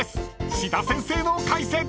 ［志田先生の解説］